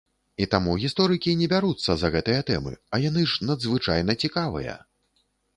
І таму гісторыкі не бяруцца за гэтыя тэмы, а яны ж надзвычайна цікавыя!